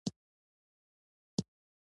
ښځې او ماشومان لږ سست روان وو.